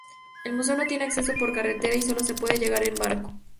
El museo no tiene acceso por carretera, y solo se puede llegar en barco.